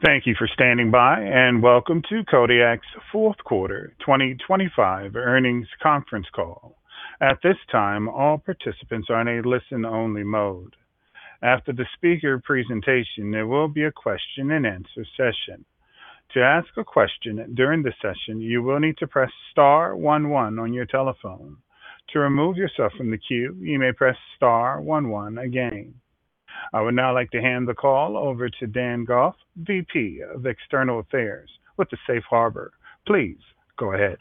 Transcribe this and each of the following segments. Thank you for standing by, and welcome to Kodiak's fourth quarter 2025 earnings conference call. At this time, all participants are in a listen-only mode. After the speaker presentation, there will be a question and answer session. To ask a question during the session, you will need to press star one one on your telephone. To remove yourself from the queue, you may press star one one again. I would now like to hand the call over to Dan Goff, VP of External Affairs with the Safe Harbor. Please go ahead.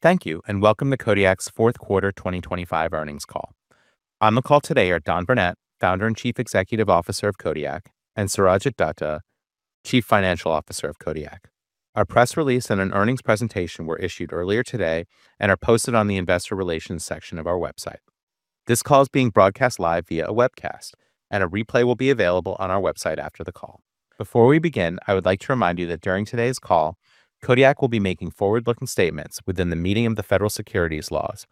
Thank you, and welcome to Kodiak's fourth quarter 2025 earnings call. On the call today are Don Burnette, founder and Chief Executive Officer of Kodiak, and Surajit Datta, Chief Financial Officer of Kodiak. Our press release and an earnings presentation were issued earlier today and are posted on the Investor Relations section of our website. This call is being broadcast live via a webcast, and a replay will be available on our website after the call. Before we begin, I would like to remind you that during today's call, Kodiak will be making forward-looking statements within the meaning of the federal securities laws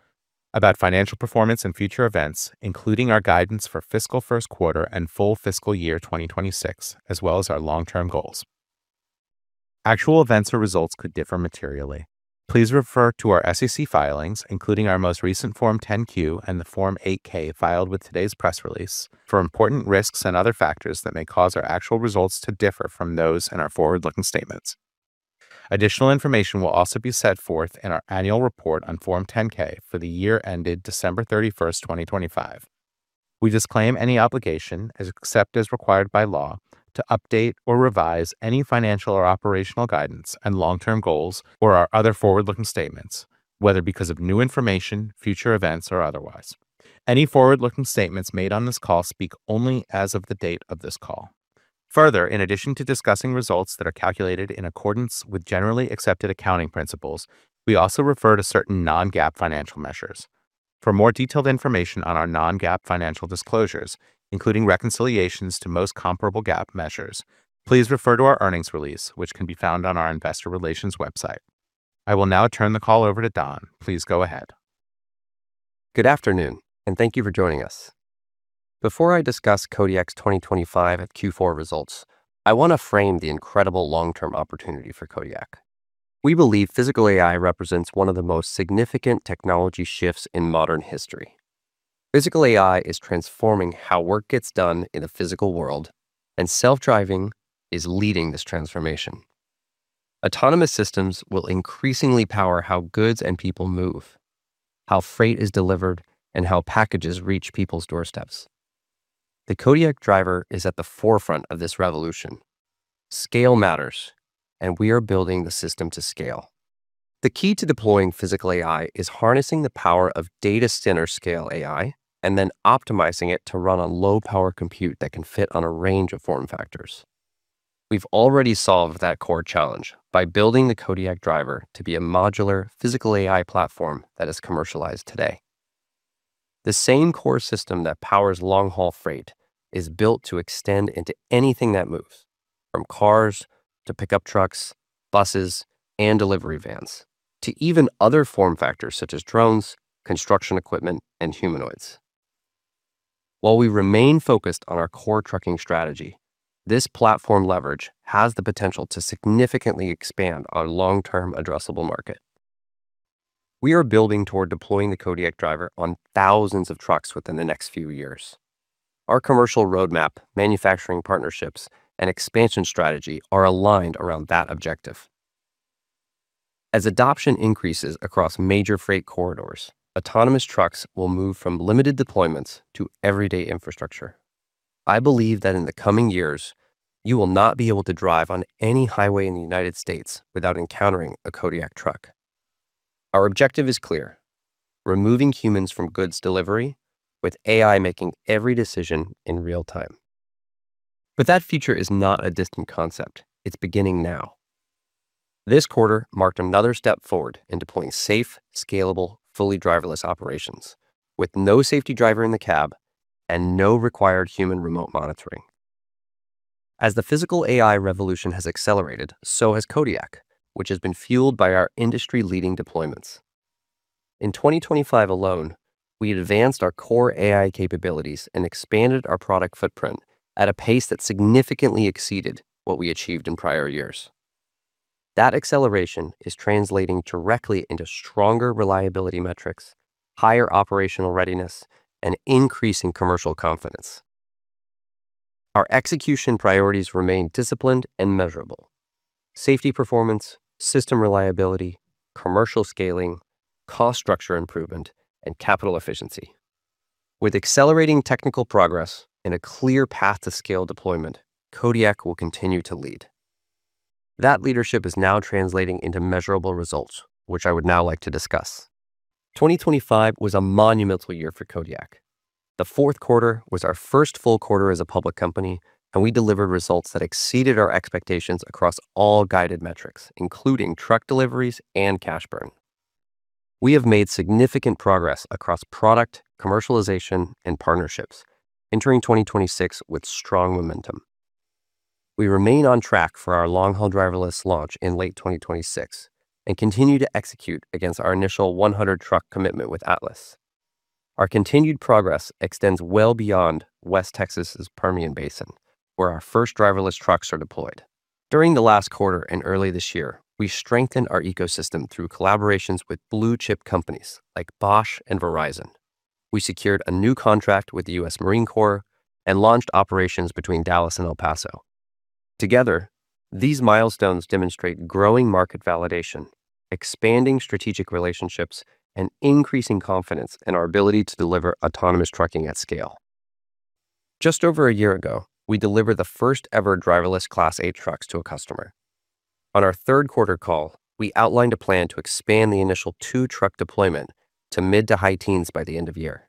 about financial performance and future events, including our guidance for fiscal first quarter and full fiscal year 2026, as well as our long term goals. Actual events or results could differ materially. Please refer to our SEC filings, including our most recent Form 10-Q and the Form 8-K filed with today's press release for important risks and other factors that may cause our actual results to differ from those in our forward-looking statements. Additional information will also be set forth in our annual report on Form 10-K for the year ended December 31, 2025. We disclaim any obligation, except as required by law, to update or revise any financial or operational guidance and long-term goals or our other forward-looking statements, whether because of new information, future events, or otherwise. Any forward-looking statements made on this call speak only as of the date of this call. Further, in addition to discussing results that are calculated in accordance with generally accepted accounting principles, we also refer to certain non-GAAP financial measures. For more detailed information on our non-GAAP financial disclosures, including reconciliations to most comparable GAAP measures, please refer to our earnings release, which can be found on our Investor Relations website. I will now turn the call over to Don. Please go ahead. Good afternoon, and thank you for joining us. Before I discuss Kodiak's 2025 Q4 results, I want to frame the incredible long term opportunity for Kodiak. We believe Physical AI represents one of the most significant technology shifts in modern history. Physical AI is transforming how work gets done in the physical world, and self-driving is leading this transformation. Autonomous systems will increasingly power how goods and people move, how freight is delivered, and how packages reach people's doorsteps. The Kodiak Driver is at the forefront of this revolution. Scale matters, and we are building the system to scale. The key to deploying Physical AI is harnessing the power of data center scale AI, and then optimizing it to run on low power compute that can fit on a range of form factors. We've already solved that core challenge by building the Kodiak Driver to be a modular Physical AI platform that is commercialized today. The same core system that powers long-haul freight is built to extend into anything that moves, from cars to pickup trucks, buses, and delivery vans to even other form factors such as drones, construction equipment, and humanoids. While we remain focused on our core trucking strategy, this platform leverage has the potential to significantly expand our long-term addressable market. We are building toward deploying the Kodiak Driver on thousands of trucks within the next few years. Our commercial roadmap, manufacturing partnerships, and expansion strategy are aligned around that objective. As adoption increases across major freight corridors, autonomous trucks will move from limited deployments to everyday infrastructure. I believe that in the coming years you will not be able to drive on any highway in the United States without encountering a Kodiak truck. Our objective is clear: removing humans from goods delivery with AI making every decision in real time. That future is not a distant concept. It's beginning now. This quarter marked another step forward in deploying safe, scalable, fully driverless operations with no safety driver in the cab and no required human remote monitoring. As the Physical AI revolution has accelerated, so has Kodiak, which has been fueled by our industry leading deployments. In 2025 alone, we advanced our core AI capabilities and expanded our product footprint at a pace that significantly exceeded what we achieved in prior years. That acceleration is translating directly into stronger reliability metrics, higher operational readiness, and increasing commercial confidence. Our execution priorities remain disciplined and measurable. Safety performance, system reliability, commercial scaling, cost structure improvement, and capital efficiency. With accelerating technical progress and a clear path to scale deployment, Kodiak will continue to lead. That leadership is now translating into measurable results, which I would now like to discuss. 2025 was a monumental year for Kodiak. The fourth quarter was our first full quarter as a public company, and we delivered results that exceeded our expectations across all guided metrics, including truck deliveries and cash burn. We have made significant progress across product, commercialization, and partnerships entering 2026 with strong momentum. We remain on track for our long haul driverless launch in late 2026 and continue to execute against our initial 100 truck commitment with Atlas. Our continued progress extends well beyond West Texas' Permian Basin, where our first driverless trucks are deployed. During the last quarter and early this year, we strengthened our ecosystem through collaborations with blue-chip companies like Bosch and Verizon. We secured a new contract with the U.S. Marine Corps and launched operations between Dallas and El Paso. Together, these milestones demonstrate growing market validation, expanding strategic relationships, and increasing confidence in our ability to deliver autonomous trucking at scale. Just over a year ago, we delivered the first ever driverless Class 8 trucks to a customer. On our third quarter call, we outlined a plan to expand the initial two-truck deployment to mid to high teens by the end of year.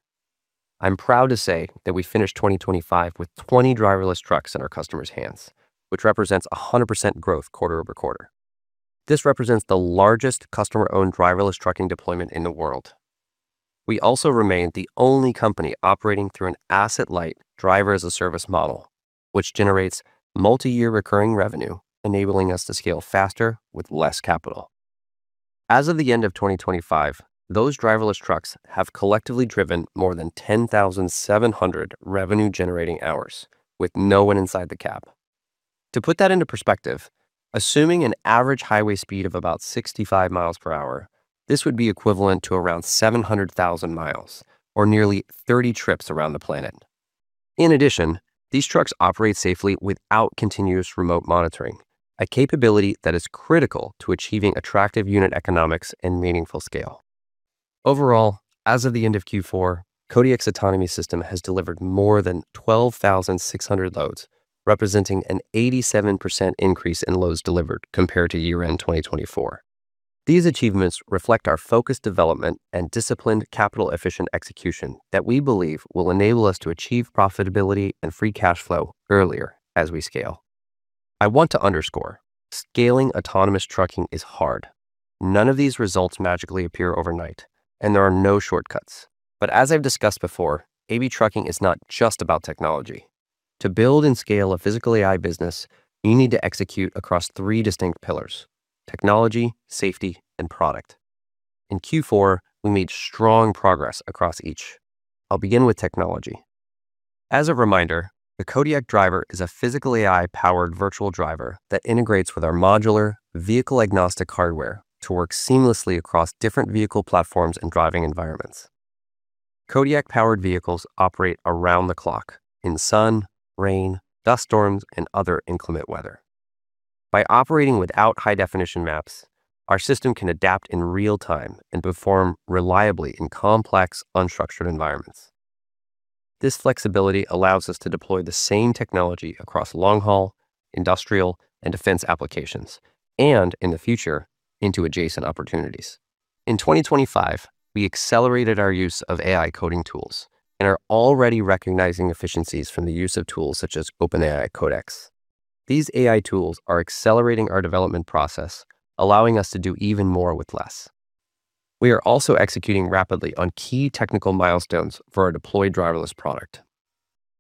I'm proud to say that we finished 2025 with 20 driverless trucks in our customers' hands, which represents a 100% growth quarter-over-quarter. This represents the largest customer-owned driverless trucking deployment in the world. We also remain the only company operating through an asset-light driver-as-a-service model, which generates multi-year recurring revenue, enabling us to scale faster with less capital. As of the end of 2025, those driverless trucks have collectively driven more than 10,700 revenue-generating hours with no one inside the cab. To put that into perspective, assuming an average highway speed of about 65 mi per hour, this would be equivalent to around 700,000 mi or nearly 30 trips around the planet. In addition, these trucks operate safely without continuous remote monitoring, a capability that is critical to achieving attractive unit economics and meaningful scale. Overall, as of the end of Q4, Kodiak's autonomy system has delivered more than 12,600 loads, representing an 87% increase in loads delivered compared to year-end 2024. These achievements reflect our focused development and disciplined capital-efficient execution that we believe will enable us to achieve profitability and free cash flow earlier as we scale. I want to underscore, scaling autonomous trucking is hard. None of these results magically appear overnight, and there are no shortcuts. As I've discussed before, AV trucking is not just about technology. To build and scale a Physical AI business, you need to execute across three distinct pillars: technology, safety, and product. In Q4, we made strong progress across each. I'll begin with technology. As a reminder, the Kodiak Driver is a Physical AI-powered virtual driver that integrates with our modular vehicle-agnostic hardware to work seamlessly across different vehicle platforms and driving environments. Kodiak-powered vehicles operate around the clock in sun, rain, dust storms, and other inclement weather. By operating without high-definition maps, our system can adapt in real time and perform reliably in complex, unstructured environments. This flexibility allows us to deploy the same technology across long haul, industrial, and defense applications, and in the future, into adjacent opportunities. In 2025, we accelerated our use of AI coding tools and are already recognizing efficiencies from the use of tools such as OpenAI Codex. These AI tools are accelerating our development process, allowing us to do even more with less. We are also executing rapidly on key technical milestones for our deployed driverless product.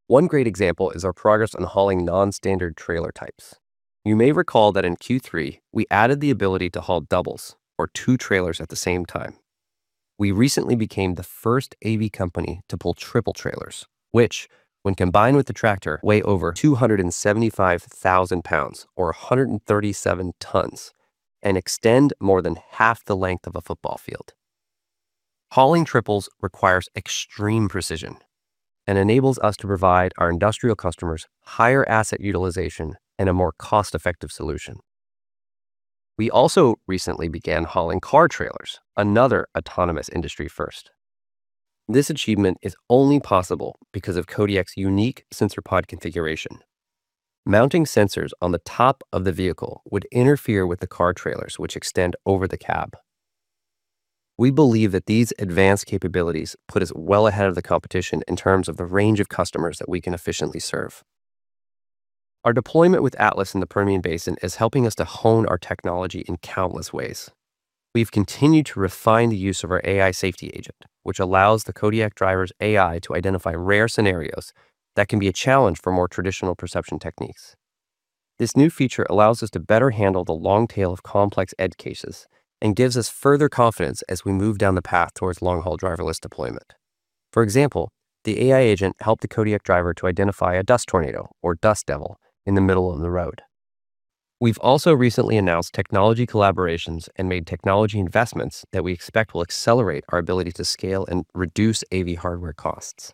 One great example is our progress on hauling non-standard trailer types. You may recall that in Q3, we added the ability to haul doubles or two trailers at the same time. We recently became the first AV company to pull triple trailers, which, when combined with the tractor, weigh over 275,000 lbs or 137 tons and extend more than half the length of a football field. Hauling triples requires extreme precision and enables us to provide our industrial customers higher asset utilization and a more cost-effective solution. We also recently began hauling car trailers, another autonomous industry first. This achievement is only possible because of Kodiak's unique sensor pod configuration. Mounting sensors on the top of the vehicle would interfere with the car trailers which extend over the cab. We believe that these advanced capabilities put us well ahead of the competition in terms of the range of customers that we can efficiently serve. Our deployment with Atlas in the Permian Basin is helping us to hone our technology in countless ways. We've continued to refine the use of our AI safety agent, which allows the Kodiak Driver's AI to identify rare scenarios that can be a challenge for more traditional perception techniques. This new feature allows us to better handle the long tail of complex edge cases and gives us further confidence as we move down the path towards long-haul driverless deployment. For example, the AI agent helped the Kodiak Driver to identify a dust tornado or dust devil in the middle of the road. We've also recently announced technology collaborations and made technology investments that we expect will accelerate our ability to scale and reduce AV hardware costs.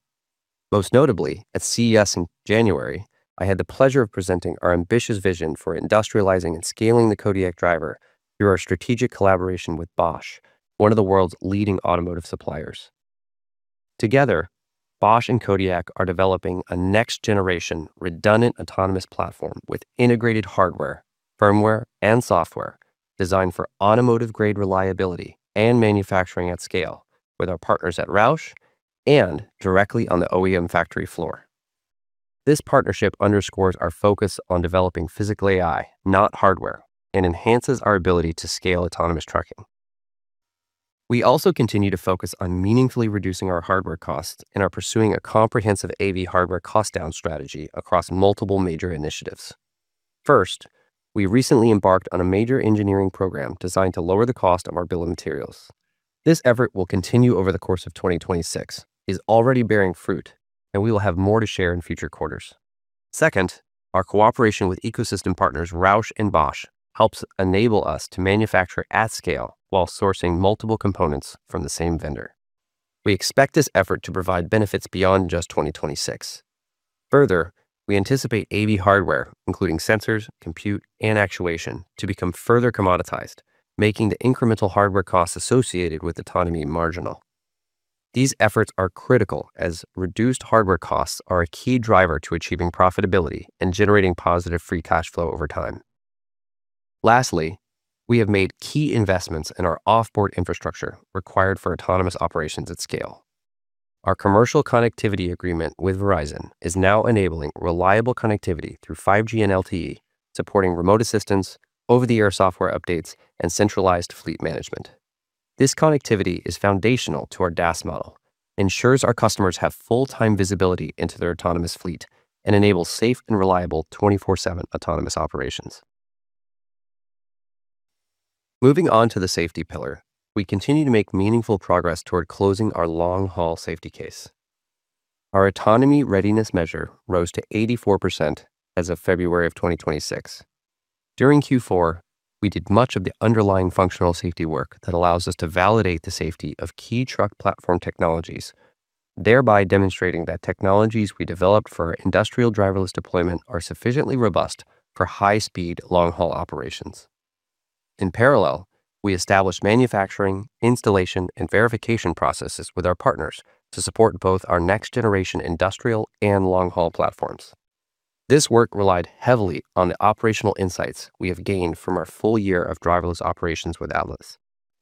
Most notably, at CES in January, I had the pleasure of presenting our ambitious vision for industrializing and scaling the Kodiak Driver through our strategic collaboration with Bosch, one of the world's leading automotive suppliers. Together, Bosch and Kodiak are developing a next-generation redundant autonomous platform with integrated hardware, firmware, and software designed for automotive-grade reliability and manufacturing at scale with our partners at Roush and directly on the OEM factory floor. This partnership underscores our focus on developing Physical AI, not hardware, and enhances our ability to scale autonomous trucking. We also continue to focus on meaningfully reducing our hardware costs and are pursuing a comprehensive AV hardware cost-down strategy across multiple major initiatives. First, we recently embarked on a major engineering program designed to lower the cost of our bill of materials. This effort will continue over the course of 2026, is already bearing fruit, and we will have more to share in future quarters. Second, our cooperation with ecosystem partners Roush and Bosch helps enable us to manufacture at scale while sourcing multiple components from the same vendor. We expect this effort to provide benefits beyond just 2026. Further, we anticipate AV hardware, including sensors, compute, and actuation, to become further commoditized, making the incremental hardware costs associated with autonomy marginal. These efforts are critical as reduced hardware costs are a key driver to achieving profitability and generating positive free cash flow over time. Lastly, we have made key investments in our off-board infrastructure required for autonomous operations at scale. Our commercial connectivity agreement with Verizon is now enabling reliable connectivity through 5G and LTE, supporting remote assistance, over-the-air software updates, and centralized fleet management. This connectivity is foundational to our DaaS model, ensures our customers have full-time visibility into their autonomous fleet, and enables safe and reliable 24/7 autonomous operations. Moving on to the safety pillar, we continue to make meaningful progress toward closing our long-haul safety case. Our Autonomy Readiness Measure rose to 84% as of February 2026. During Q4, we did much of the underlying functional safety work that allows us to validate the safety of key truck platform technologies, thereby demonstrating that technologies we developed for industrial driverless deployment are sufficiently robust for high-speed long-haul operations. In parallel, we established manufacturing, installation, and verification processes with our partners to support both our next-generation industrial and long-haul platforms. This work relied heavily on the operational insights we have gained from our full-year of driverless operations with Atlas.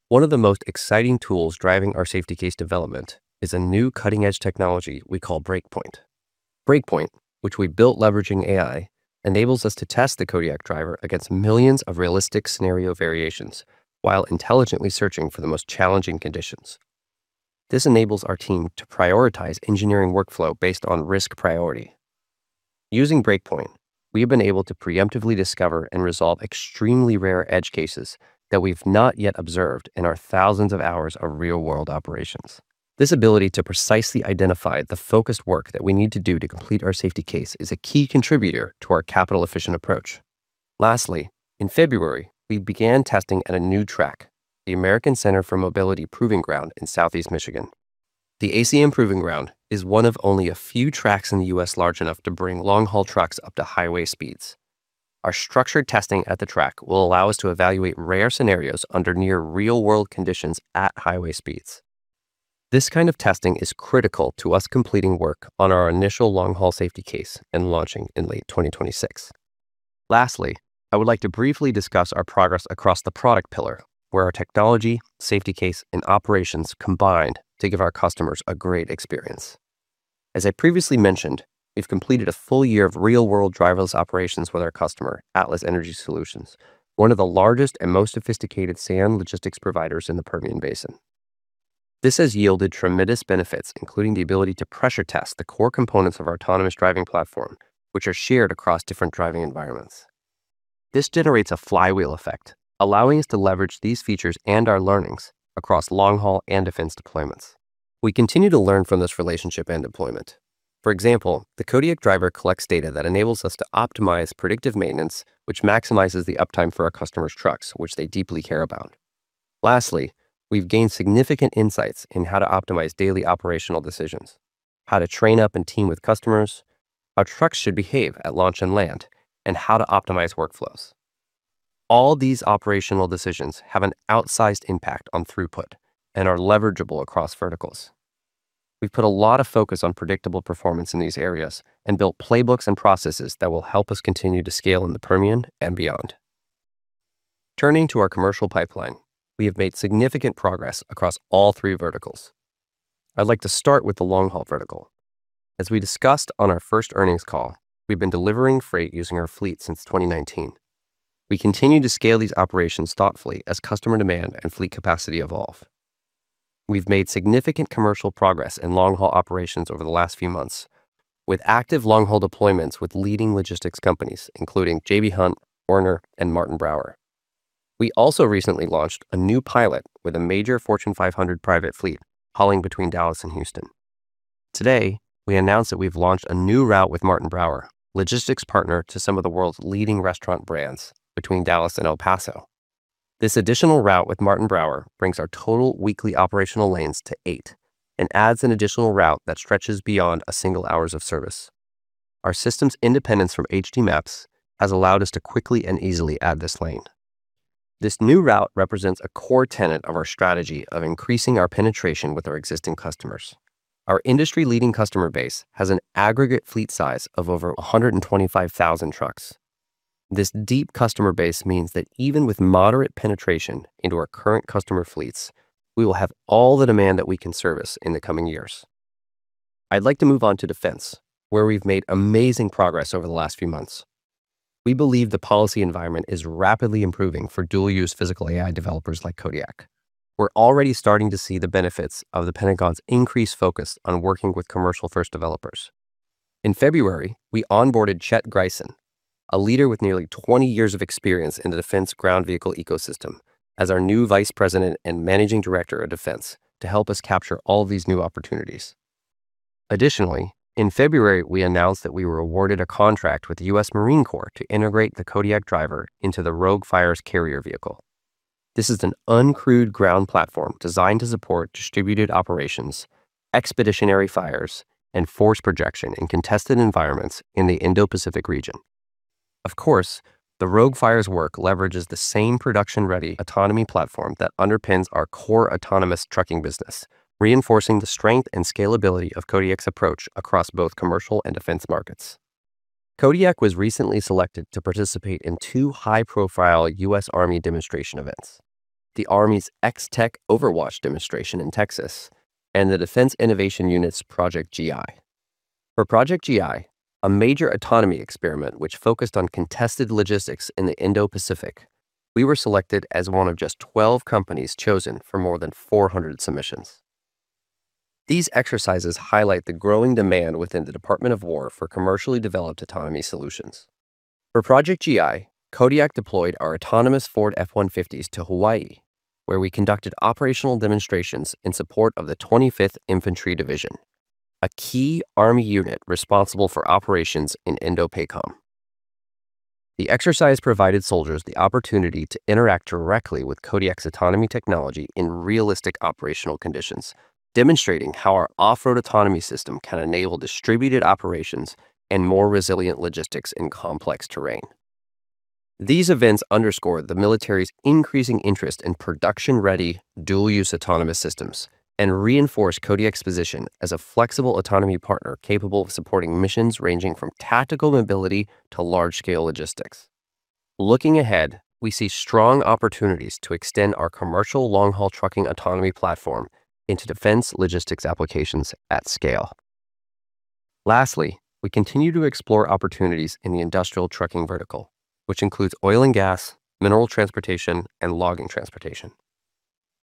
One of the most exciting tools driving our safety case development is a new cutting-edge technology we call Breakpoint. Breakpoint, which we built leveraging AI, enables us to test the Kodiak Driver against millions of realistic scenario variations while intelligently searching for the most challenging conditions. This enables our team to prioritize engineering workflow based on risk priority. Using Breakpoint, we have been able to preemptively discover and resolve extremely rare edge cases that we've not yet observed in our thousands of hours of real-world operations. This ability to precisely identify the focused work that we need to do to complete our safety case is a key contributor to our capital-efficient approach. Lastly, in February, we began testing at a new track, the American Center for Mobility Proving Ground in Southeast Michigan. The ACM Proving Ground is one of only a few tracks in the U.S. large enough to bring long-haul trucks up to highway speeds. Our structured testing at the track will allow us to evaluate rare scenarios under near real-world conditions at highway speeds. This kind of testing is critical to us completing work on our initial long-haul safety case and launching in late 2026. Lastly, I would like to briefly discuss our progress across the product pillar, where our technology, safety case, and operations combined to give our customers a great experience. As I previously mentioned, we've completed a full-year of real-world driverless operations with our customer, Atlas Energy Solutions, one of the largest and most sophisticated sand logistics providers in the Permian Basin. This has yielded tremendous benefits, including the ability to pressure test the core components of our autonomous driving platform, which are shared across different driving environments. This generates a flywheel effect, allowing us to leverage these features and our learnings across long-haul and defense deployments. We continue to learn from this relationship and deployment. For example, the Kodiak Driver collects data that enables us to optimize predictive maintenance, which maximizes the uptime for our customers' trucks, which they deeply care about. Lastly, we've gained significant insights in how to optimize daily operational decisions, how to train up and team with customers, how trucks should behave at launch and land, and how to optimize workflows. All these operational decisions have an outsized impact on throughput and are leverageable across verticals. We've put a lot of focus on predictable performance in these areas and built playbooks and processes that will help us continue to scale in the Permian and beyond. Turning to our commercial pipeline, we have made significant progress across all three verticals. I'd like to start with the long-haul vertical. As we discussed on our first earnings call, we've been delivering freight using our fleet since 2019. We continue to scale these operations thoughtfully as customer demand and fleet capacity evolve. We've made significant commercial progress in long-haul operations over the last few months with active long-haul deployments with leading logistics companies, including J.B. Hunt, Werner, and Martin Brower. We also recently launched a new pilot with a major Fortune 500 private fleet hauling between Dallas and Houston. Today, we announced that we've launched a new route with Martin Brower, logistics partner to some of the world's leading restaurant brands, between Dallas and El Paso. This additional route with Martin Brower brings our total weekly operational lanes to eight and adds an additional route that stretches beyond a single hours of service. Our system's independence from HD maps has allowed us to quickly and easily add this lane. This new route represents a core tenet of our strategy of increasing our penetration with our existing customers. Our industry-leading customer base has an aggregate fleet size of over 125,000 trucks. This deep customer base means that even with moderate penetration into our current customer fleets, we will have all the demand that we can service in the coming years. I'd like to move on to defense, where we've made amazing progress over the last few months. We believe the policy environment is rapidly improving for dual-use Physical AI developers like Kodiak. We're already starting to see the benefits of the Pentagon's increased focus on working with commercial first developers. In February, we onboarded Chet Gryczan, a leader with nearly 20 years of experience in the defense ground vehicle ecosystem, as our new Vice President and Managing Director of Defense to help us capture all these new opportunities. Additionally, in February, we announced that we were awarded a contract with the U.S. Marine Corps to integrate the Kodiak Driver into the ROGUE-Fires carrier vehicle. This is an uncrewed ground platform designed to support distributed operations, expeditionary fires, and force projection in contested environments in the Indo-Pacific region. Of course, the ROGUE-Fires work leverages the same production-ready autonomy platform that underpins our core autonomous trucking business, reinforcing the strength and scalability of Kodiak's approach across both commercial and defense markets. Kodiak was recently selected to participate in two high-profile U.S. Army demonstration events, the Army's xTechOverwatch demonstration in Texas and the Defense Innovation Unit's Project G.I.. For Project G.I., a major autonomy experiment which focused on contested logistics in the Indo-Pacific, we were selected as one of just 12 companies chosen from more than 400 submissions. These exercises highlight the growing demand within the Department of Defense for commercially developed autonomy solutions. For Project G.I., Kodiak deployed our autonomous Ford F-150s to Hawaii, where we conducted operational demonstrations in support of the 25th Infantry Division, a key Army unit responsible for operations in INDOPACOM. The exercise provided soldiers the opportunity to interact directly with Kodiak's autonomy technology in realistic operational conditions, demonstrating how our off-road autonomy system can enable distributed operations and more resilient logistics in complex terrain. These events underscore the military's increasing interest in production-ready dual-use autonomous systems and reinforce Kodiak's position as a flexible autonomy partner capable of supporting missions ranging from tactical mobility to large-scale logistics. Looking ahead, we see strong opportunities to extend our commercial long-haul trucking autonomy platform into defense logistics applications at scale. Lastly, we continue to explore opportunities in the industrial trucking vertical, which includes oil and gas, mineral transportation, and logging transportation.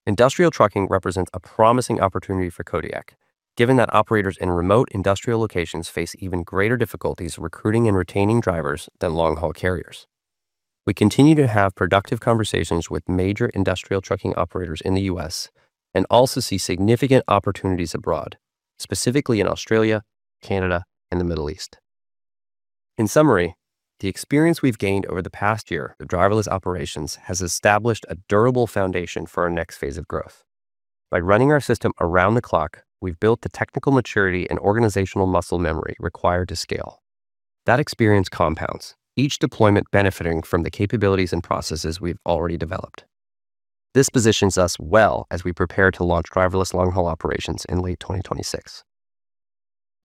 Industrial trucking represents a promising opportunity for Kodiak, given that operators in remote industrial locations face even greater difficulties recruiting and retaining drivers than long-haul carriers. We continue to have productive conversations with major industrial trucking operators in the U.S. and also see significant opportunities abroad, specifically in Australia, Canada, and the Middle East. In summary, the experience we've gained over the past year of driverless operations has established a durable foundation for our next phase of growth. By running our system around the clock, we've built the technical maturity and organizational muscle memory required to scale. That experience compounds, each deployment benefiting from the capabilities and processes we've already developed. This positions us well as we prepare to launch driverless long-haul operations in late 2026.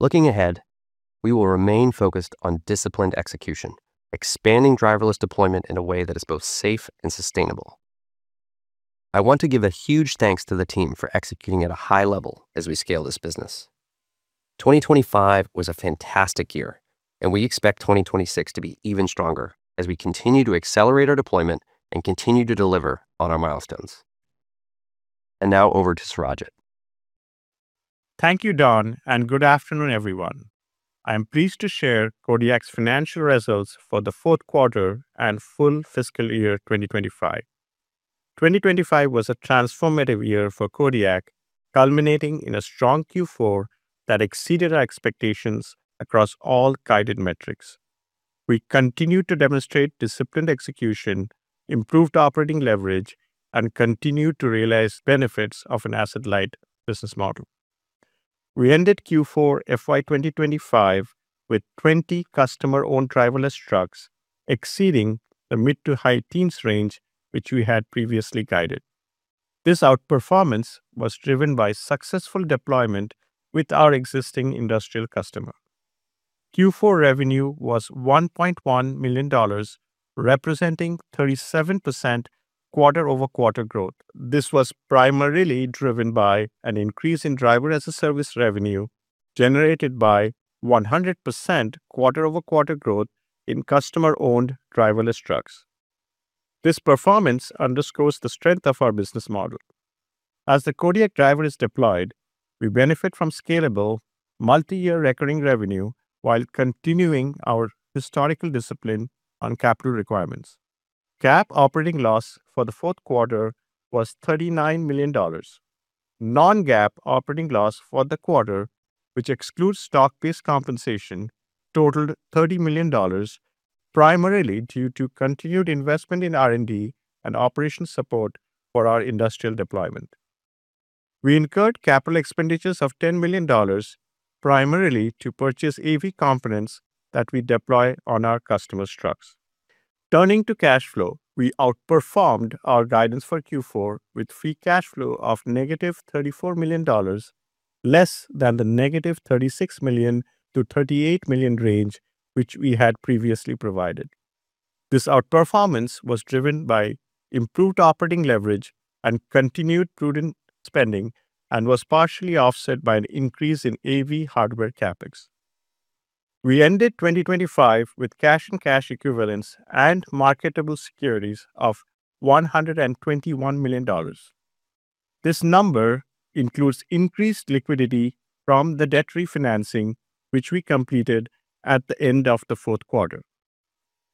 Looking ahead, we will remain focused on disciplined execution, expanding driverless deployment in a way that is both safe and sustainable. I want to give a huge thanks to the team for executing at a high level as we scale this business. 2025 was a fantastic year, and we expect 2026 to be even stronger as we continue to accelerate our deployment and continue to deliver on our milestones. Now over to Surajit. Thank you, Don, and good afternoon, everyone. I am pleased to share Kodiak's financial results for the fourth quarter and full fiscal year 2025. 2025 was a transformative year for Kodiak, culminating in a strong Q4 that exceeded our expectations across all guided metrics. We continued to demonstrate disciplined execution, improved operating leverage, and continued to realize benefits of an asset-light business model. We ended Q4 FY 2025 with 20 customer-owned driverless trucks exceeding the mid- to high-teens range, which we had previously guided. This outperformance was driven by successful deployment with our existing industrial customer. Q4 revenue was $1.1 million, representing 37% quarter-over-quarter growth. This was primarily driven by an increase in driver-as-a-service revenue generated by 100% quarter-over-quarter growth in customer-owned driverless trucks. This performance underscores the strength of our business model. As the Kodiak Driver is deployed, we benefit from scalable multi-year recurring revenue while continuing our historical discipline on capital requirements. GAAP operating loss for the fourth quarter was $39 million. non-GAAP operating loss for the quarter, which excludes stock-based compensation, totaled $30 million, primarily due to continued investment in R&D and operations support for our industrial deployment. We incurred capital expenditures of $10 million, primarily to purchase AV components that we deploy on our customers' trucks. Turning to cash flow, we outperformed our guidance for Q4 with free cash flow of -$34 million, less than the -$36 million to -$38 million range, which we had previously provided. This outperformance was driven by improved operating leverage and continued prudent spending and was partially offset by an increase in AV hardware CapEx. We ended 2025 with cash and cash equivalents and marketable securities of $121 million. This number includes increased liquidity from the debt refinancing, which we completed at the end of the fourth quarter.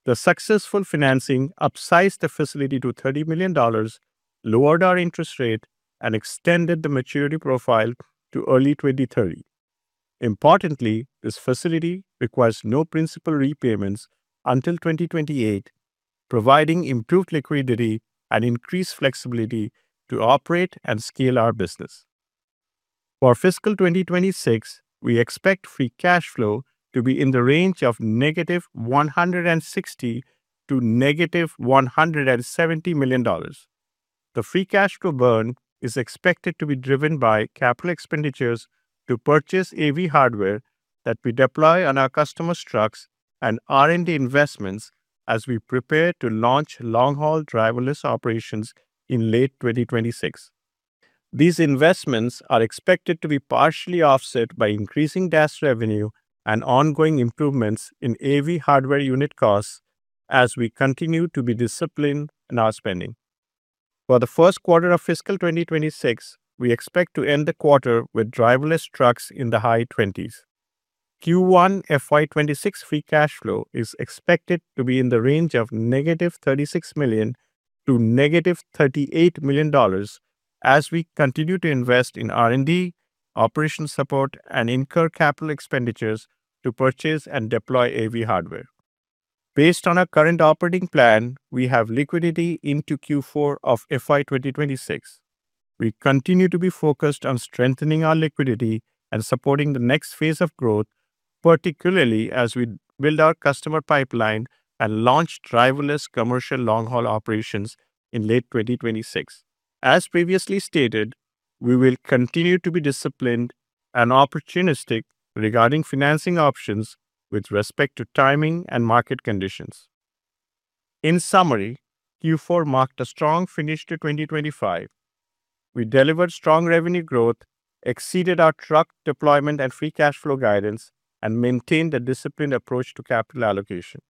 The successful financing upsized the facility to $30 million, lowered our interest rate and extended the maturity profile to early 2030. Importantly, this facility requires no principal repayments until 2028, providing improved liquidity and increased flexibility to operate and scale our business. For fiscal year 2026, we expect free cash flow to be in the range of -$160 million to -$170 million. The free cash flow burn is expected to be driven by capital expenditures to purchase AV hardware that we deploy on our customer's trucks and R&D investments as we prepare to launch long haul driverless operations in late 2026. These investments are expected to be partially offset by increasing DAS revenue and ongoing improvements in AV hardware unit costs as we continue to be disciplined in our spending. For the first quarter of fiscal year 2026, we expect to end the quarter with driverless trucks in the high 20s. Q1 FY 2026 free cash flow is expected to be in the range of -$36 million to -$38 million as we continue to invest in R&D, operations support and incur capital expenditures to purchase and deploy AV hardware. Based on our current operating plan, we have liquidity into Q4 of FY 2026. We continue to be focused on strengthening our liquidity and supporting the next phase of growth, particularly as we build our customer pipeline and launch driverless commercial long haul operations in late 2026. As previously stated, we will continue to be disciplined and opportunistic regarding financing options with respect to timing and market conditions. In summary, Q4 marked a strong finish to 2025. We delivered strong revenue growth, exceeded our truck deployment and free cash flow guidance, and maintained a disciplined approach to capital allocation.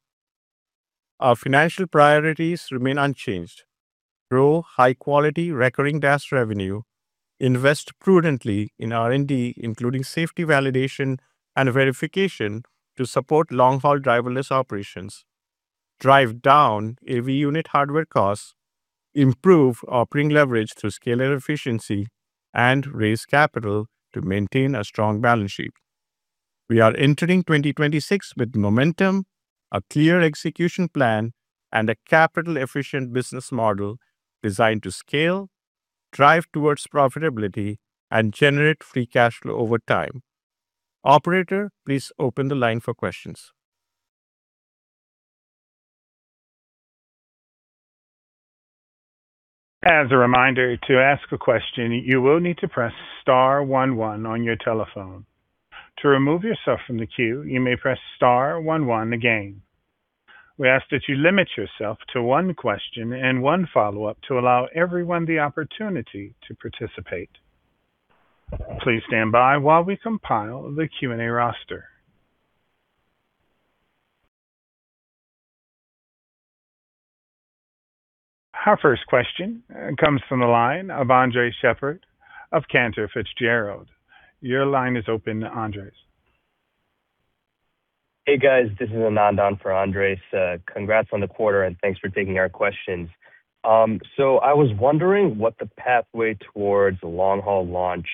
Our financial priorities remain unchanged. Grow high quality recurring DAS revenue. Invest prudently in R&D, including safety validation and verification to support long haul driverless operations. Drive down AV unit hardware costs. Improve operating leverage through scale and efficiency. Raise capital to maintain a strong balance sheet. We are entering 2026 with momentum, a clear execution plan and a capital efficient business model designed to scale, drive towards profitability and generate free cash flow over time. Operator, please open the line for questions. As a reminder, to ask a question, you will need to press star one one on your telephone. To remove yourself from the queue, you may press star one one again. We ask that you limit yourself to one question and one follow-up to allow everyone the opportunity to participate. Please stand by while we compile the Q&A roster. Our first question comes from the line of Andres Sheppard of Cantor Fitzgerald. Your line is open, Andres. Hey, guys. This is Anand on for Andres. Congrats on the quarter and thanks for taking our questions. I was wondering what the pathway towards long haul launch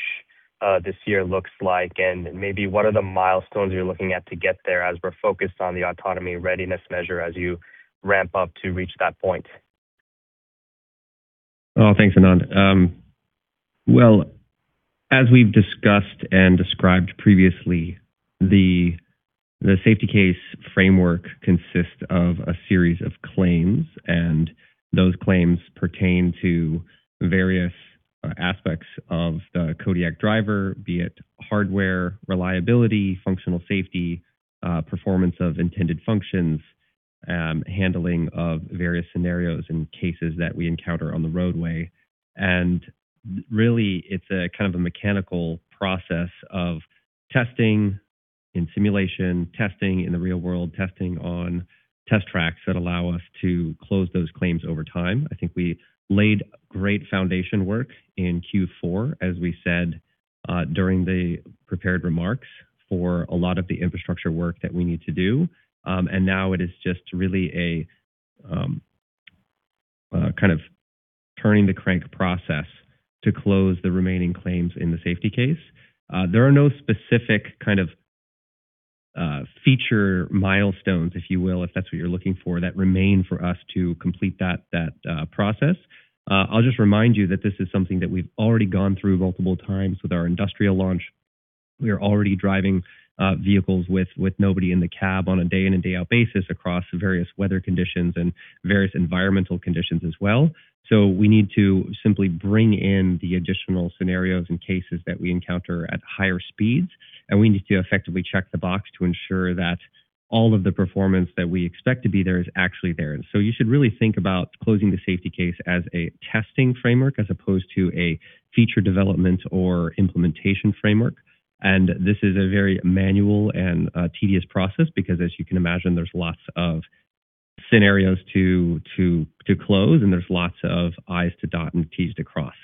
this year looks like and maybe what are the milestones you're looking at to get there as we're focused on the Autonomy Readiness Measure as you ramp up to reach that point. Oh, thanks, Anand. Well, as we've discussed and described previously, the safety case framework consists of a series of claims, and those claims pertain to various aspects of the Kodiak Driver, be it hardware reliability, functional safety, performance of intended functions, handling of various scenarios and cases that we encounter on the roadway. Really it's a kind of a mechanical process of testing in simulation, testing in the real world, testing on test tracks that allow us to close those claims over time. I think we laid great foundation work in Q4, as we said, during the prepared remarks for a lot of the infrastructure work that we need to do. Now it is just really a kind of turning the crank process to close the remaining claims in the safety case. There are no specific kind of feature milestones, if you will, if that's what you're looking for, that remain for us to complete that process. I'll just remind you that this is something that we've already gone through multiple times with our industrial launch. We are already driving vehicles with nobody in the cab on a day in and day out basis across various weather conditions and various environmental conditions as well. We need to simply bring in the additional scenarios and cases that we encounter at higher speeds. We need to effectively check the box to ensure that all of the performance that we expect to be there is actually there. You should really think about closing the safety case as a testing framework as opposed to a feature development or implementation framework. This is a very manual and tedious process because as you can imagine, there's lots of scenarios to close, and there's lots of I's to dot and T's to cross.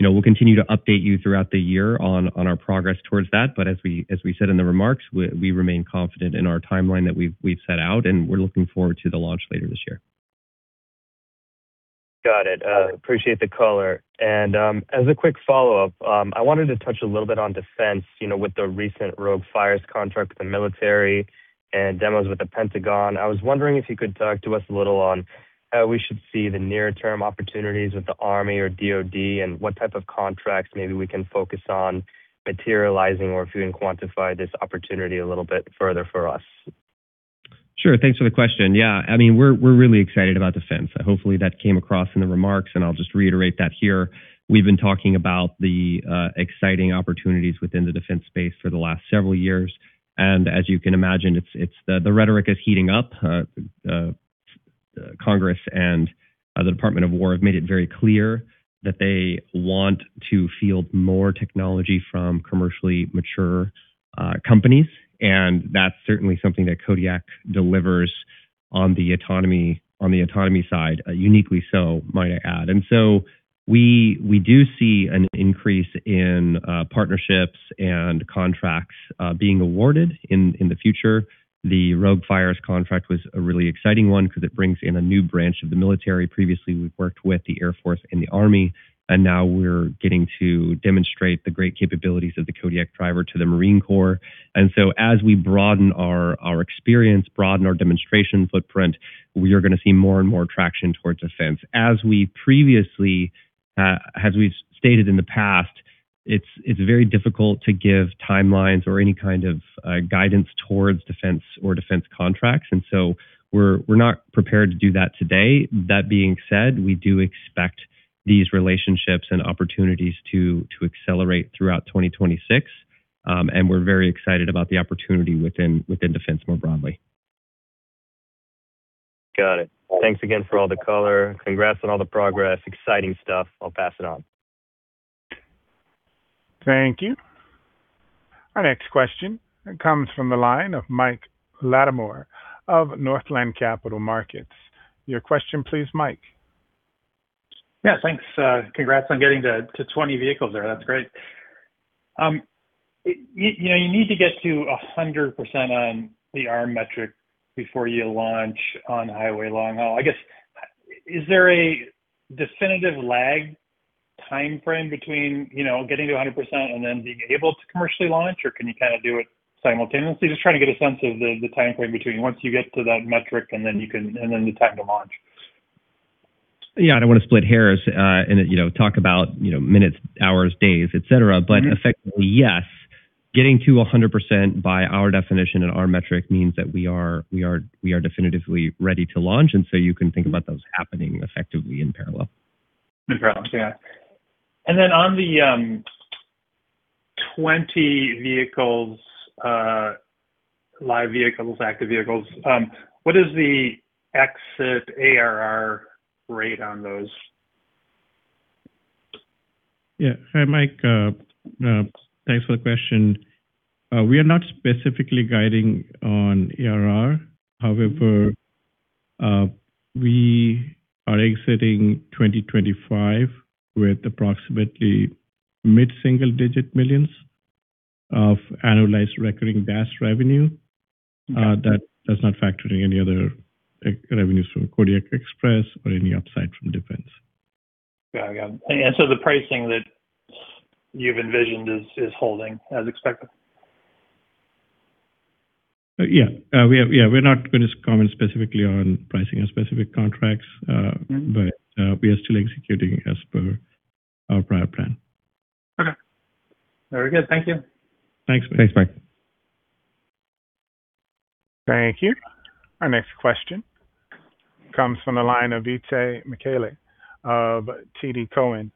You know, we'll continue to update you throughout the year on our progress towards that. As we said in the remarks, we remain confident in our timeline that we've set out, and we're looking forward to the launch later this year. Got it. Appreciate the color. As a quick follow-up, I wanted to touch a little bit on defense, you know, with the recent ROGUE-Fires contract with the military and demos with the Pentagon. I was wondering if you could talk to us a little on how we should see the near-term opportunities with the Army or DoD and what type of contracts maybe we can focus on materializing or if you can quantify this opportunity a little bit further for us. Sure. Thanks for the question. Yeah. I mean, we're really excited about defense. Hopefully, that came across in the remarks, and I'll just reiterate that here. We've been talking about the exciting opportunities within the defense space for the last several years. As you can imagine, the rhetoric is heating up. Congress and the Department of Defense have made it very clear that they want to field more technology from commercially mature companies, and that's certainly something that Kodiak delivers on the autonomy side, uniquely so, might I add. We do see an increase in partnerships and contracts being awarded in the future. The ROGUE-Fires contract was a really exciting one because it brings in a new branch of the military. Previously, we've worked with the Air Force and the Army, and now we're getting to demonstrate the great capabilities of the Kodiak Driver to the Marine Corps. As we broaden our experience, broaden our demonstration footprint, we are gonna see more and more traction towards defense. As we've stated in the past, it's very difficult to give timelines or any kind of guidance towards defense or defense contracts, and so we're not prepared to do that today. That being said, we do expect these relationships and opportunities to accelerate throughout 2026, and we're very excited about the opportunity within defense more broadly. Got it. Thanks again for all the color. Congrats on all the progress. Exciting stuff. I'll pass it on. Thank you. Our next question comes from the line of Mike Latimore of Northland Capital Markets. Your question please, Mike. Yeah, thanks. Congrats on getting to 20 vehicles there. That's great. You know, you need to get to 100% on the ARM metric before you launch on highway long haul. I guess, is there a definitive lag timeframe between, you know, getting to 100% and then being able to commercially launch, or can you kinda do it simultaneously? Just trying to get a sense of the timeframe between once you get to that metric, and then the time to launch. Yeah. I don't wanna split hairs, and you know, talk about, you know, minutes, hours, days, et cetera. Mm-hmm. Effectively, yes, getting to 100% by our definition and our metric means that we are definitively ready to launch, and so you can think about those happening effectively in parallel. No problem. Yeah. On the 20 vehicles, live vehicles, active vehicles, what is the exit ARR rate on those? Yeah. Hi, Mike. Thanks for the question. We are not specifically guiding on ARR. However, we are exiting 2025 with approximately mid-single-digit millions of annualized recurring SaaS revenue. Okay. That's not factoring any other revenues from Kodiak Express or any upside from defense. Got it. The pricing that you've envisioned is holding as expected? Yeah, we're not gonna comment specifically on pricing of specific contracts. Mm-hmm. We are still executing as per our prior plan. Okay. Very good. Thank you. Thanks, Mike. Thanks, Mike. Thank you. Our next question comes from the line of Itay Michaeli of TD Cowen.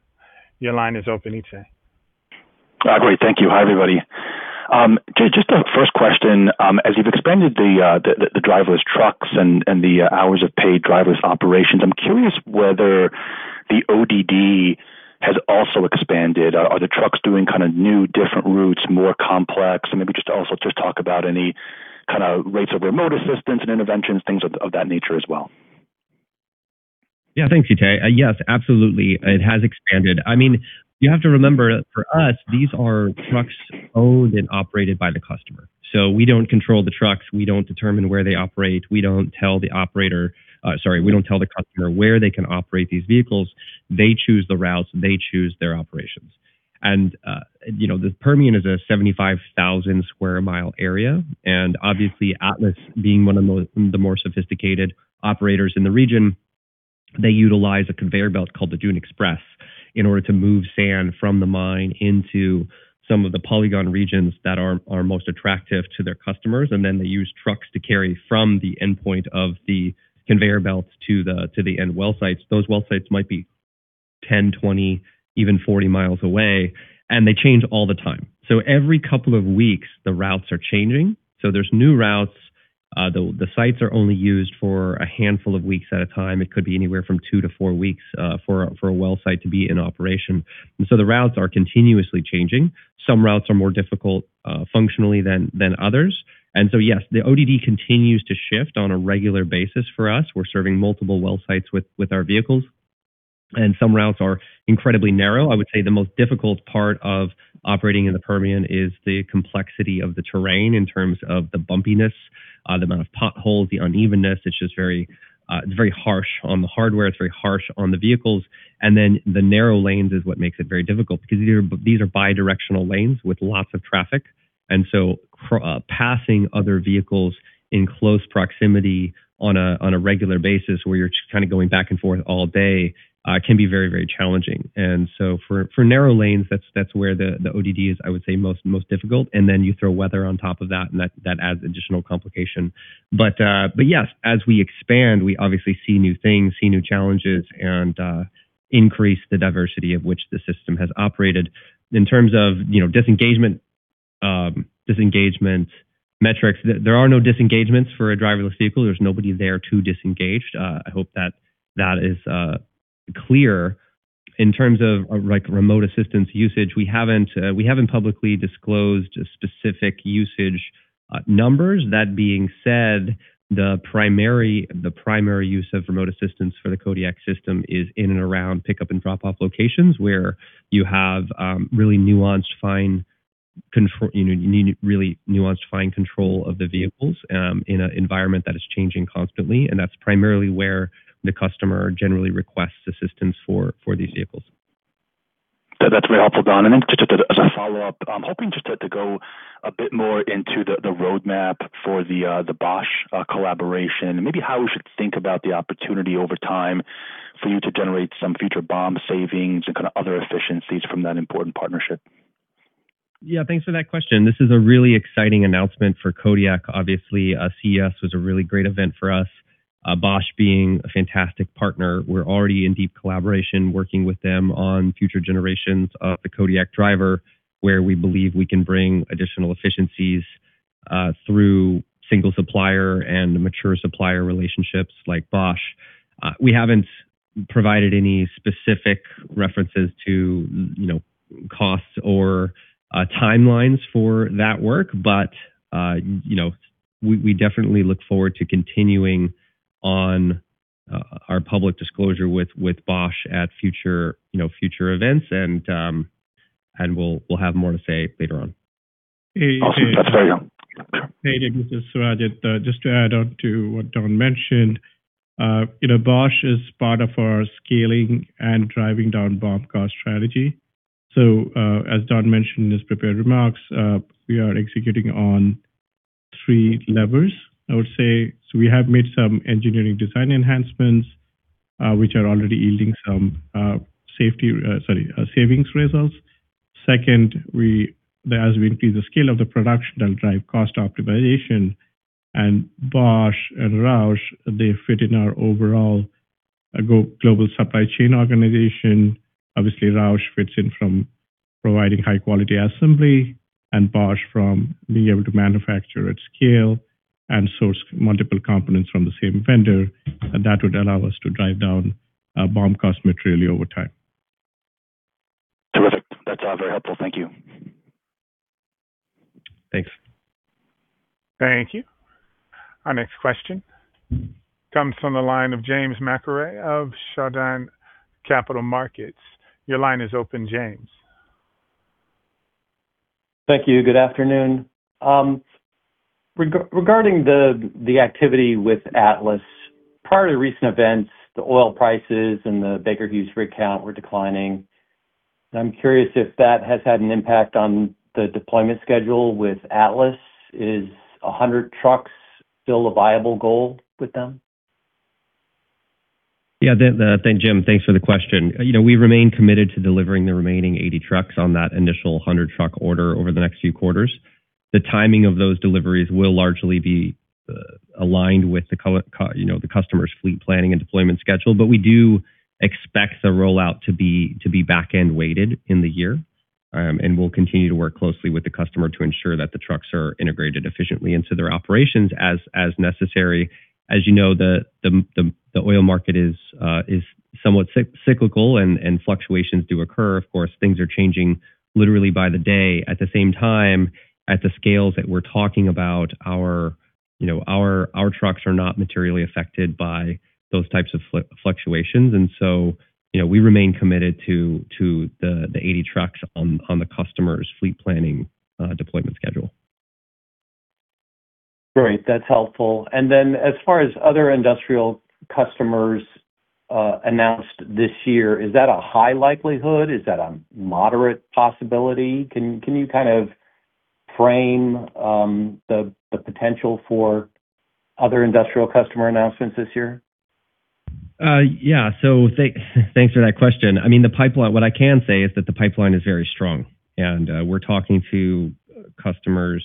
Your line is open, Itay. Great. Thank you. Hi, everybody. Just a first question. As you've expanded the driverless trucks and the hours of paid driverless operations, I'm curious whether the ODD has also expanded. Are the trucks doing kinda new, different routes, more complex? And maybe just also just talk about any kinda rates of remote assistance and interventions, things of that nature as well. Yeah. Thanks, Itay. Yes, absolutely. It has expanded. I mean, you have to remember for us, these are trucks owned and operated by the customer. We don't control the trucks. We don't determine where they operate. We don't tell the customer where they can operate these vehicles. They choose the routes. They choose their operations. You know, the Permian is a 75,000 sq mi area. Obviously, Atlas being one of the more sophisticated operators in the region, they utilize a conveyor belt called the Dune Express in order to move sand from the mine into some of the polygon regions that are most attractive to their customers. They use trucks to carry from the endpoint of the conveyor belts to the end well sites. Those well sites might be 10, 20, even 40 mi away, and they change all the time. Every couple of weeks, the routes are changing. There's new routes. The sites are only used for a handful of weeks at a time. It could be anywhere from two to four weeks for a well site to be in operation. The routes are continuously changing. Some routes are more difficult functionally than others. Yes, the ODD continues to shift on a regular basis for us. We're serving multiple well sites with our vehicles, and some routes are incredibly narrow. I would say the most difficult part of operating in the Permian is the complexity of the terrain in terms of the bumpiness, the amount of potholes, the unevenness. It's just very harsh on the hardware, it's very harsh on the vehicles. The narrow lanes is what makes it very difficult because these are bi-directional lanes with lots of traffic. Passing other vehicles in close proximity on a regular basis where you're just kind of going back and forth all day can be very challenging. For narrow lanes, that's where the ODD is, I would say, most difficult. Then you throw weather on top of that, and that adds additional complication. Yes, as we expand, we obviously see new things, see new challenges, and increase the diversity of which the system has operated. In terms of, you know, disengagement metrics, there are no disengagements for a driverless vehicle. There's nobody there to disengage. I hope that is clear. In terms of, like, remote assistance usage, we haven't publicly disclosed specific usage numbers. That being said, the primary use of remote assistance for the Kodiak system is in and around pickup and drop-off locations where you have really nuanced, fine control. You know, you need really nuanced fine control of the vehicles in an environment that is changing constantly, and that's primarily where the customer generally requests assistance for these vehicles. That's very helpful, Don. Then just as a follow-up, I'm hoping just to go a bit more into the roadmap for the Bosch collaboration and maybe how we should think about the opportunity over time for you to generate some future BOM savings and kind of other efficiencies from that important partnership. Yeah. Thanks for that question. This is a really exciting announcement for Kodiak. Obviously, CES was a really great event for us. Bosch being a fantastic partner, we're already in deep collaboration working with them on future generations of the Kodiak Driver, where we believe we can bring additional efficiencies, through single supplier and mature supplier relationships like Bosch. We haven't provided any specific references to, you know, costs or, timelines for that work. You know, we definitely look forward to continuing on, our public disclosure with Bosch at future, you know, future events and we'll have more to say later on. Awesome. That's very helpful. Hey, this is Surajit. Just to add on to what Don mentioned. You know, Bosch is part of our scaling and driving down BOM cost strategy. As Don mentioned in his prepared remarks, we are executing on three levers, I would say. We have made some engineering design enhancements, which are already yielding some savings results. Second, as we increase the scale of the production, that'll drive cost optimization. Bosch and Roush, they fit in our overall global supply chain organization. Obviously, Roush fits in from providing high-quality assembly and Bosch from being able to manufacture at scale and source multiple components from the same vendor. That would allow us to drive down BOM cost materially over time. Terrific. That's very helpful. Thank you. Thanks. Thank you. Our next question comes from the line of James McIlree of Chardan Capital Markets. Your line is open, James. Thank you. Good afternoon. Regarding the activity with Atlas. Prior to recent events, the oil prices and the Baker Hughes rig count were declining. I'm curious if that has had an impact on the deployment schedule with Atlas. Is 100 trucks still a viable goal with them? Yeah. James, thanks for the question. You know, we remain committed to delivering the remaining 80 trucks on that initial 100 truck order over the next few quarters. The timing of those deliveries will largely be aligned with you know, the customer's fleet planning and deployment schedule. We do expect the rollout to be back-end weighted in the year, and we'll continue to work closely with the customer to ensure that the trucks are integrated efficiently into their operations as necessary. As you know, the oil market is somewhat cyclical and fluctuations do occur. Of course, things are changing literally by the day. At the same time, at the scales that we're talking about, you know, our trucks are not materially affected by those types of fluctuations. You know, we remain committed to the 80 trucks on the customer's fleet planning deployment schedule. Great. That's helpful. as far as other industrial customers announced this year, is that a high likelihood? Is that a moderate possibility? Can you kind of frame the potential for other industrial customer announcements this year? Thanks for that question. I mean, the pipeline. What I can say is that the pipeline is very strong, and we're talking to customers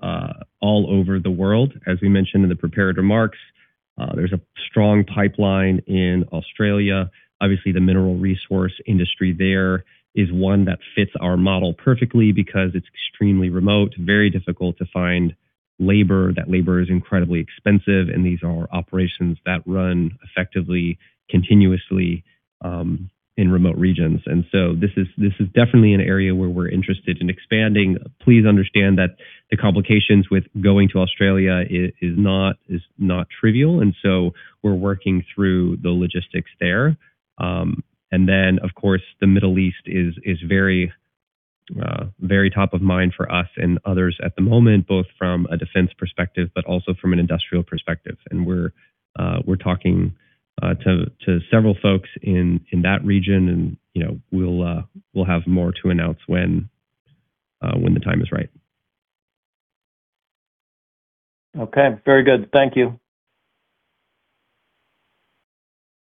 all over the world. As we mentioned in the prepared remarks, there's a strong pipeline in Australia. Obviously, the mineral resource industry there is one that fits our model perfectly because it's extremely remote, very difficult to find labor. That labor is incredibly expensive, and these are operations that run effectively continuously in remote regions. This is definitely an area where we're interested in expanding. Please understand that the complications with going to Australia is not trivial. We're working through the logistics there. Of course, the Middle East is very top of mind for us and others at the moment, both from a defense perspective but also from an industrial perspective. We're talking to several folks in that region and, you know, we'll have more to announce when the time is right. Okay. Very good. Thank you.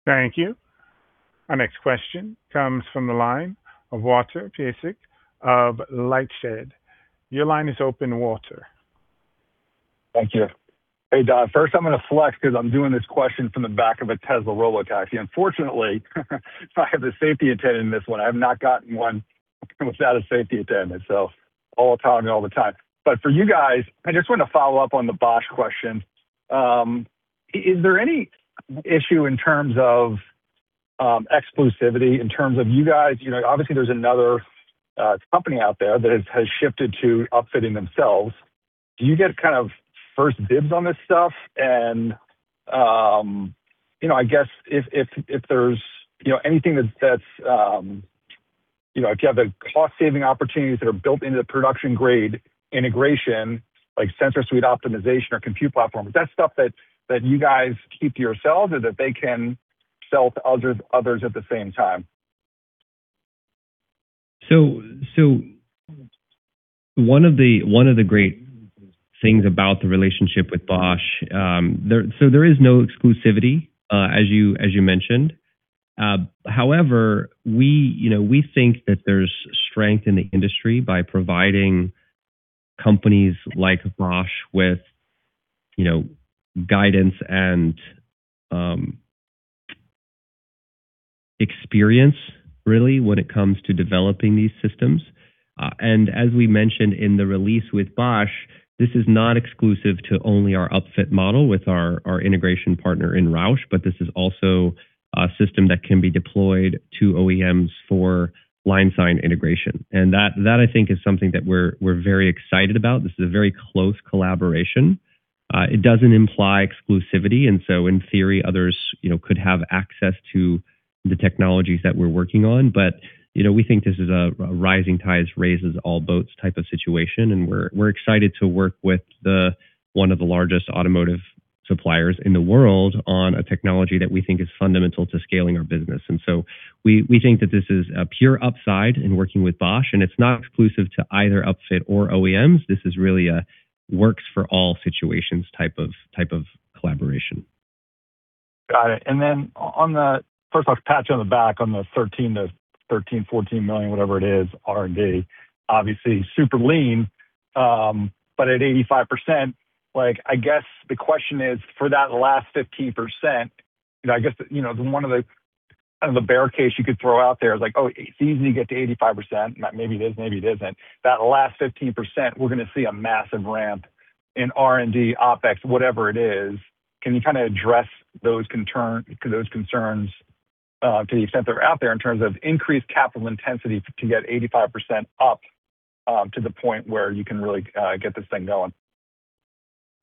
Thank you. Our next question comes from the line of Walter Piecyk of LightShed. Your line is open, Walter. Thank you. Hey, Don, first I'm gonna flex 'cause I'm doing this question from the back of a Tesla Robotaxi. Unfortunately, I have the safety attendant in this one. I have not gotten one without a safety attendant, so all the time. For you guys, I just want to follow up on the Bosch question. Is there any issue in terms of exclusivity in terms of you guys, you know, obviously, there's another company out there that has shifted to upfitting themselves. Do you get kind of first dibs on this stuff? You know, I guess if there's you know anything that's you know if you have the cost-saving opportunities that are built into the production grade integration, like sensor suite optimization or compute platform, is that stuff that you guys keep to yourselves or that they can sell to others at the same time? One of the great things about the relationship with Bosch. There is no exclusivity, as you mentioned. However, we you know we think that there's strength in the industry by providing companies like Bosch with you know guidance and experience really when it comes to developing these systems. As we mentioned in the release with Bosch, this is not exclusive to only our upfit model with our integration partner in Roush, but this is also a system that can be deployed to OEMs for line-side integration. That I think is something that we're very excited about. This is a very close collaboration. It doesn't imply exclusivity, and so in theory, others you know could have access to the technologies that we're working on. You know, we think this is a rising tides raises all boats type of situation, and we're excited to work with one of the largest automotive suppliers in the world on a technology that we think is fundamental to scaling our business. We think that this is a pure upside in working with Bosch, and it's not exclusive to either upfit or OEMs. This is really a works for all situations type of collaboration. Got it. First off, back on the $13 million-$14 million, whatever it is, R&D. Obviously, super lean, but at 85%, like, I guess the question is, for that last 15%, you know, I guess, you know, one of the bear case you could throw out there is like, "Oh, it's easy to get to 85%." Maybe it is, maybe it isn't. That last 15%, we're gonna see a massive ramp in R&D, OpEx, whatever it is. Can you kinda address those concerns to the extent they're out there in terms of increased capital intensity to get 85% up to the point where you can really get this thing going?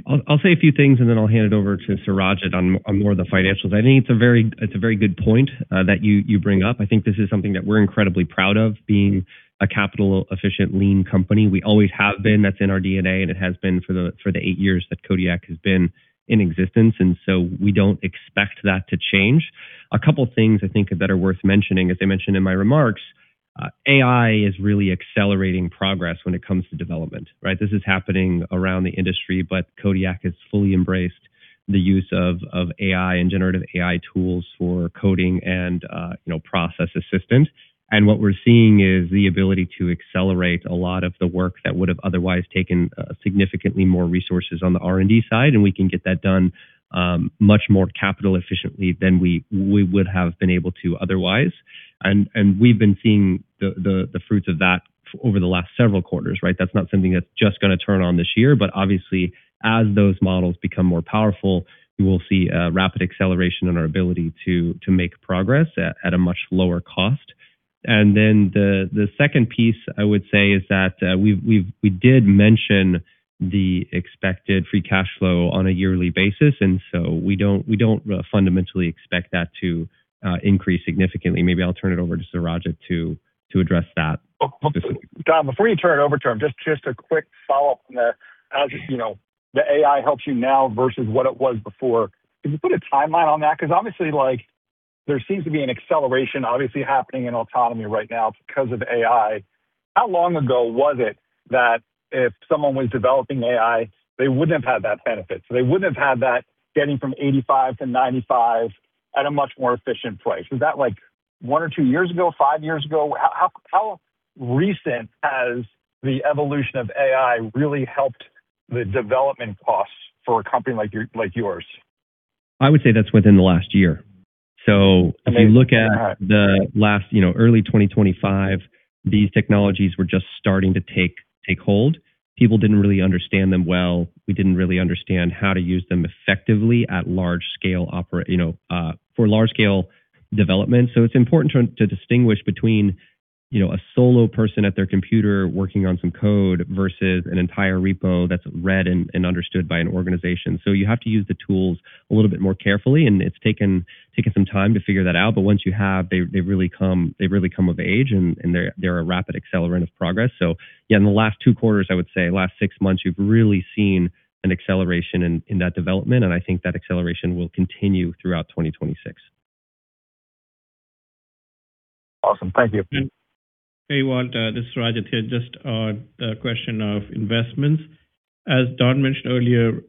I'll say a few things, and then I'll hand it over to Surajit on more of the financials. I think it's a very good point that you bring up. I think this is something that we're incredibly proud of, being a capital efficient, lean company. We always have been. That's in our DNA, and it has been for the eight years that Kodiak has been in existence. We don't expect that to change. A couple things I think that are worth mentioning, as I mentioned in my remarks, AI is really accelerating progress when it comes to development, right? This is happening around the industry, but Kodiak has fully embraced the use of AI and generative AI tools for coding and you know, process assistant. What we're seeing is the ability to accelerate a lot of the work that would have otherwise taken significantly more resources on the R&D side, and we can get that done much more capital-efficiently than we would have been able to otherwise. We've been seeing the fruits of that over the last several quarters, right? That's not something that's just gonna turn on this year. Obviously, as those models become more powerful, you will see a rapid acceleration in our ability to make progress at a much lower cost. The second piece I would say is that, we did mention the expected free cash flow on a yearly basis, and so we don't fundamentally expect that to increase significantly. Maybe I'll turn it over to Surajit to address that. Don, before you turn it over to him, just a quick follow-up from there. As you know, the AI helps you now versus what it was before. Can you put a timeline on that? 'Cause obviously, like, there seems to be an acceleration obviously happening in autonomy right now because of AI. How long ago was it that if someone was developing AI, they wouldn't have had that benefit? So they wouldn't have had that getting from 85%-95% at a much more efficient price. Was that, like one or two years ago, five years ago, how recent has the evolution of AI really helped the development costs for a company like your, like yours? I would say that's within the last year. If you look at the last, you know, early 2025, these technologies were just starting to take hold. People didn't really understand them well. We didn't really understand how to use them effectively at large scale. You know, for large scale development. It's important to distinguish between, you know, a solo person at their computer working on some code versus an entire repo that's read and understood by an organization. You have to use the tools a little bit more carefully, and it's taken some time to figure that out. Once you have, they've really come of age, and they're a rapid accelerant of progress. Yeah, in the last two quarters, I would say last six months, you've really seen an acceleration in that development, and I think that acceleration will continue throughout 2026. Awesome. Thank you. Hey, Walter. This is Surajit here. Just on the question of investments. As Don mentioned earlier,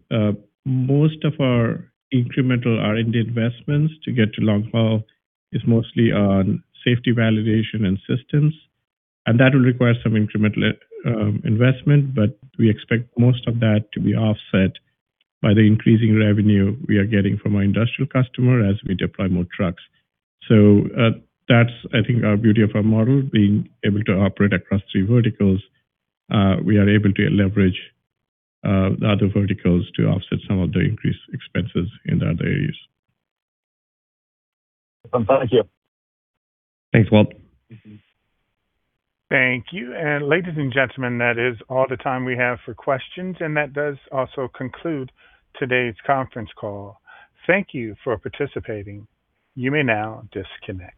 most of our incremental R&D investments to get to long haul is mostly on safety validation and systems. That will require some incremental investment, but we expect most of that to be offset by the increasing revenue we are getting from our industrial customer as we deploy more trucks. That's I think our beauty of our model, being able to operate across three verticals. We are able to leverage the other verticals to offset some of the increased expenses in those areas. Thank you. Thanks, Walt. Thank you. Ladies and gentlemen, that is all the time we have for questions, and that does also conclude today's conference call. Thank you for participating. You may now disconnect.